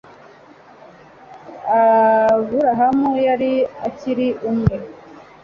aburahamu yari akiri umwe